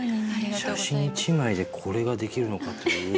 写真一枚でこれができるのかという。